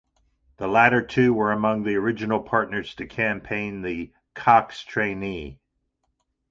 The latter two were among the original partners to campaign the Cox trainee.